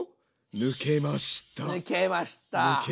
抜けました。